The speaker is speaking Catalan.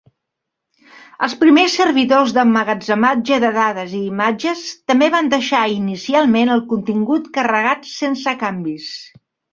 Els primers servidors d'emmagatzematge de dades i imatges també van deixar inicialment el contingut carregat sense canvis.